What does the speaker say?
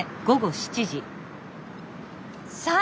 さあ